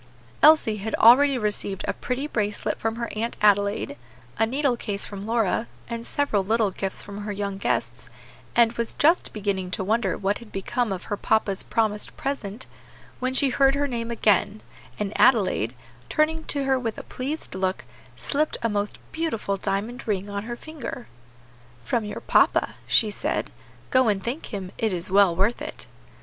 Elsie had already received a pretty bracelet from her Aunt Adelaide, a needle case from Lora, and several little gifts from her young guests, and was just beginning to wonder what had become of her papa's promised present, when she heard her name again, and Adelaide, turning to her with a pleased look, slipped a most beautiful diamond ring on her finger. "From your papa," she said. "Go and thank him: it is well worth it."